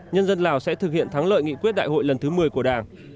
nhân dân lào sẽ thực hiện thắng lợi nghị quyết đại hội lần thứ một mươi của đảng